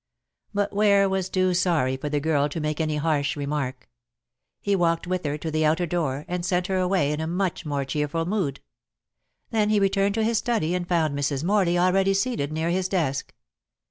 But Ware was too sorry for the girl to make any harsh remark. He walked with her to the outer door, and sent her away in a much more cheerful mood. Then he returned to his study, and found Mrs. Morley already seated near his desk.